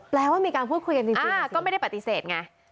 ว่ามีการพูดคุยกันจริงก็ไม่ได้ปฏิเสธไง